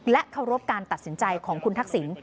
เคารพการตัดสินใจของคุณทักษิณ